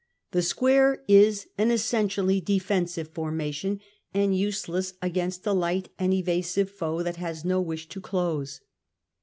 The square is an essentially defensive formation, and useless against a light and evasive foe who has no wish to close.